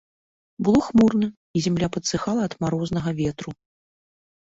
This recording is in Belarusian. Было хмурна, і зямля падсыхала ад марознага ветру.